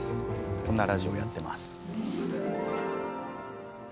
こんなラジオをやっています。